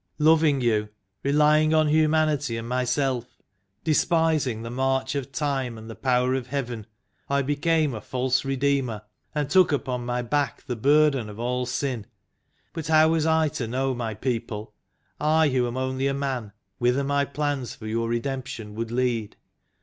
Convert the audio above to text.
Loving you, relying on humanity and myself, despising the march of Time and the power of Heaven, I became a false redeemer, and took upon my back the burden of all sin. But how was I to know, my people, I who am only a man, whither my plans for your redemption would lead?